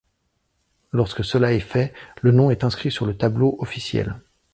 Lorsque cela est fait, le nom est inscrit sur le tableau officiel.